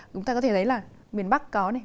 chúng ta có thể thấy là miền bắc có này